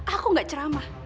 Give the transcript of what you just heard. aku gak ceramah